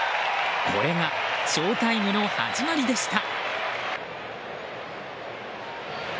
これがショータイムの始まりでした。